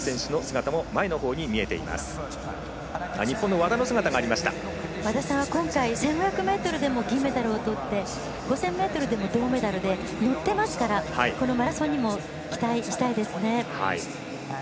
和田さんは１５００ｍでも金メダルを取って５０００ｍでも銅メダルでのってますからマラソンにも期待したいですね。